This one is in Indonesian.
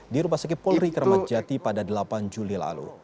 di rumah sakit polri kermatjati pada delapan juli lalu